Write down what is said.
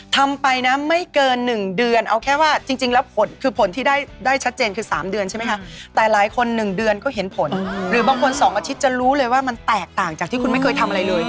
ทำไปนะไม่เกิน๑เดือนเอาแค่ว่าจริงแล้วผลคือผลที่ได้ชัดเจนคือ๓เดือนใช่ไหมคะแต่หลายคน๑เดือนก็เห็นผลหรือบางคน๒อาทิตย์จะรู้เลยว่ามันแตกต่างจากที่คุณไม่เคยทำอะไรเลย